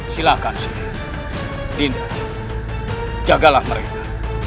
silahkan sih dinda jagalah mereka